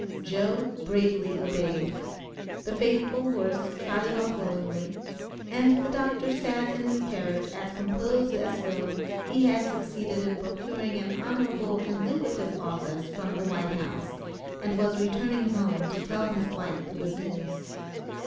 Joe bravely obeyed. The faithful horse trotted off willingly, and the doctor sat in his carriage as composed as though he had succeeded in procuring an honorable and lucrative office from the White House, and was returning home to tell his wife the good news.